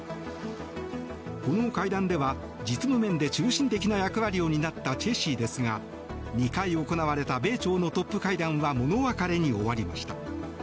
この会談では実務面で中心的な役割を担ったチェ氏ですが２回行われた米朝のトップ会談は物別れに終わりました。